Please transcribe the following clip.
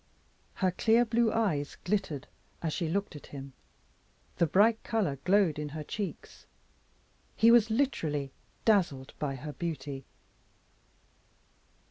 Her clear blue eyes glittered as she looked at him, the bright color glowed in her cheeks; he was literally dazzled by her beauty.